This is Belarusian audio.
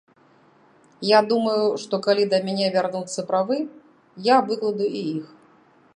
Я думаю, што калі да мяне вярнуцца правы, я выкладу і іх.